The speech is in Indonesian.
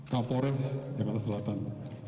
kapolres jakarta selatan